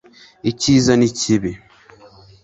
icyiza n'ikibi